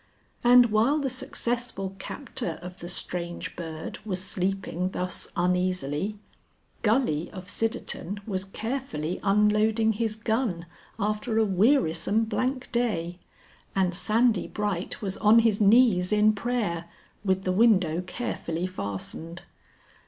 And while the successful captor of the Strange Bird was sleeping thus uneasily, Gully of Sidderton was carefully unloading his gun after a wearisome blank day, and Sandy Bright was on his knees in prayer, with the window carefully fastened.